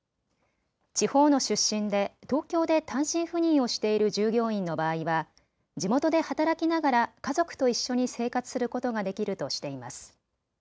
地方の出身で東京で単身赴任をしている従業員の場合は地元で働きながら家族と一緒に生活することができるとしています。